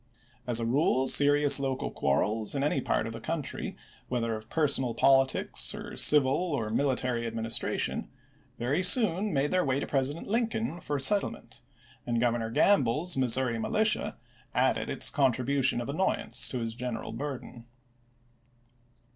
As a rule, serious local quarrels in any part of the country, whether of personal politics or civil or military administration, very soon made their way to President Lincoln for settlement, and Gov ernor Gamble's Missouri Militia added its contribu tion of annoyance to his general burden.